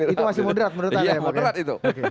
itu masih moderat menurut anda ya ya moderat itu